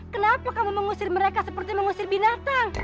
kenapa kamu mengusir mereka seperti mengusir binatang